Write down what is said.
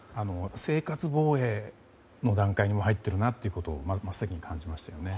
生活防衛の段階にもう、入っているなということを真っ先に感じましたよね。